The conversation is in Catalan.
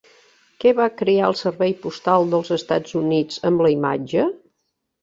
Què va crear el Servei Postal dels Estats Units amb la imatge?